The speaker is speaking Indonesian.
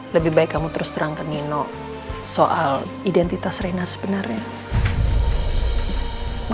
lebih baik kamu terus terang ke nino soal identitas rena sebenarnya